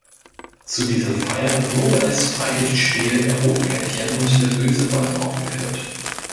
Zu dieser Feier wurde als Freilichtspiel "Rotkäppchen und der böse Wolf" aufgeführt.